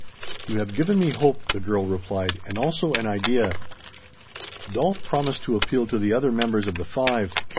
"You have given me hope," the girl replied, "and also an idea. Dolf promised to appeal to the other members of the Five.